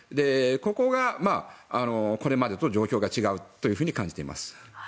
ここがこれまでと状況が違うというふうに感じています。